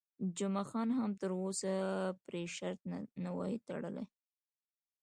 جمعه خان هم تر اوسه پرې شرط نه وي تړلی.